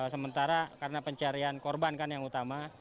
sementara karena pencarian korban kan yang utama